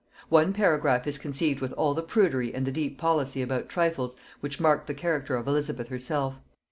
One paragraph is conceived with all the prudery and the deep policy about trifles, which marked the character of Elizabeth herself.